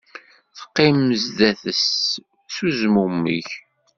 Teqqim sdat-s s uzmumeg